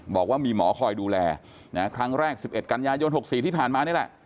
บอกว่ามีหมอคอยดูแลครั้งแรก๑๑กันยายน๖๔ที่ผ่านมานี่แหละ